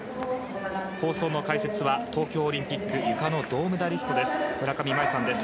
放送の解説は東京オリンピックゆかの銅メダリストです。